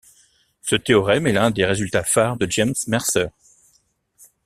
Ce théorème est l'un des résultats phares de James Mercer.